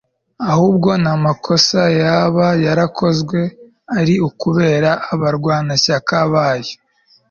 ahubwo n'amakosa yaba yarakozwe ari ukubera abarwanashyaka bayo